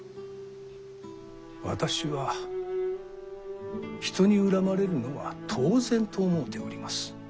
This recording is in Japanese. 私は人に恨まれるのは当然と思うております。